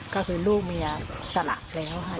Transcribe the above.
ก็คือลูกเมียสละแล้วค่ะ